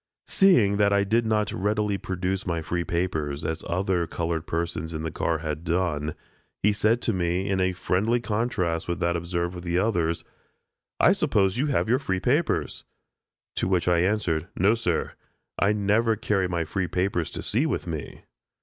Seeing that I did not readily produce my free papers, as the other colored persons in the car had done, he said to me in a friendly contrast with that observed towards the others: "I suppose you have your free papers?" To which I answered: "No, sir; I never carry my free papers to sea with me."